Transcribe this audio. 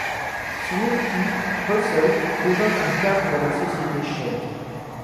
Son époux, Russell, devint un cadre de la société Shell.